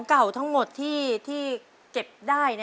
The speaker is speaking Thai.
ขอเชิญปูชัยมาตอบชีวิตเป็นคนต่อไปครับ